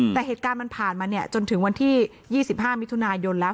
แต่เหตุการณ์มันผ่านมาจนถึงวันที่๒๕มิถุนายนแล้ว